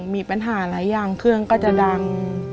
มีปัญหาหลายอย่างเครื่องก็จะดัง